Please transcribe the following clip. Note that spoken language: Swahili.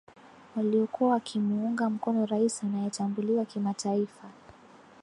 waliokuwa wakimuunga mkono rais anayetambuliwa kimataifa